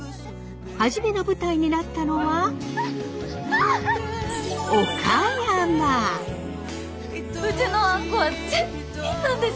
初めの舞台になったのはうちのあんこは絶品なんです。